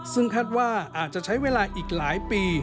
ซึ่งคาดว่าอาจจะใช้เวลาอีกหลายปี